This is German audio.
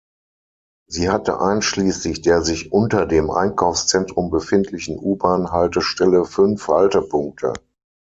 Sie hatte einschließlich der sich unter dem Einkaufszentrum befindlichen U-Bahn-Haltestelle fünf Haltepunkte.